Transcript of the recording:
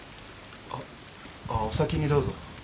あああお先にどうぞ。